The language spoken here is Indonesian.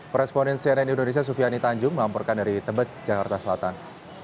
koresponden cnn indonesia sufiani tanjung melamporkan dari tebet jakarta selatan